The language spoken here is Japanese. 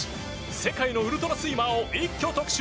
世界のウルトラスイマーを一挙特集！